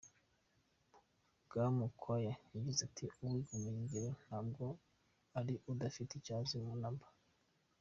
Rwamukwaya yagize ati “Uwiga ubumenyingiro ntabwo ari udafite icyo azi namba .